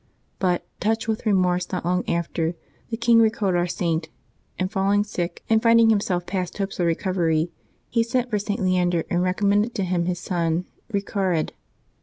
But, touched with remorse not long after, the king recalled our Saint; and falling sick and finding himself past hopes of recovery, he sent for St. Leander, and recommended to him his son Eecared.